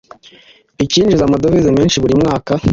ikinjiza amadovize menshi buri mwaka.